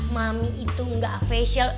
mami itu gak facial